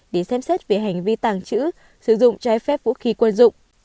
để xem xét về hành vi tàng trữ sử dụng trái phép vũ khí quân dụng